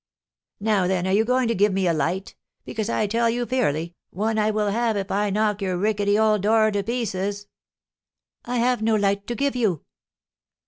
"Now, then, are you going to give me a light? Because, I tell you fairly, one I will have if I knock your rickety old door to pieces." "I have no light to give you."